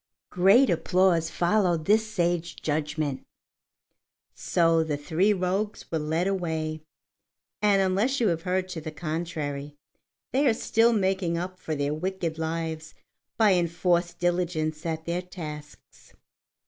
Great applause followed this sage judgment. So the three rogues were led away, and unless you have heard to the contrary, they are still making up for their wicked lives by enforced diligence at their tasks.